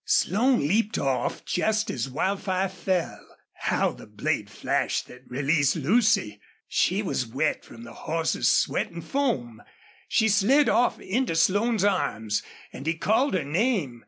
Slone leaped off just as Wildfire fell. How the blade flashed that released Lucy! She was wet from the horse's sweat and foam. She slid off into Slone's arms, and he called her name.